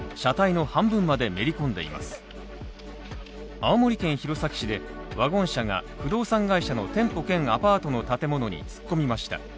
青森県弘前市でワゴン車が、不動産会社の店舗兼アパートの建物に突っ込みました。